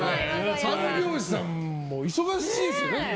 三拍子さんも忙しいですよね？